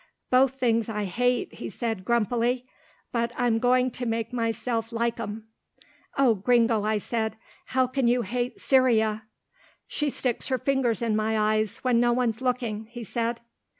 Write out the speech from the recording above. "Both things I hate," he said grumpily, "but I'm going to make myself like 'em." "Oh, Gringo," I said, "how can you hate Cyria." "She sticks her fingers in my eyes when no one's looking," he said.